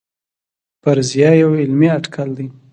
فرضیه یو علمي اټکل دی